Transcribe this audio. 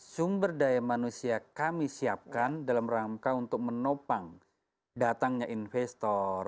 sumber daya manusia kami siapkan dalam rangka untuk menopang datangnya investor